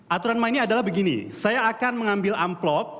aturan mainnya adalah begini saya akan mengambil amplop